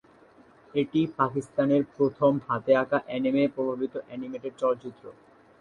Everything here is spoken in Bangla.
এটি পাকিস্তানের প্রথম হাতে আঁকা এনিমে-প্রভাবিত অ্যানিমেটেড চলচ্চিত্র।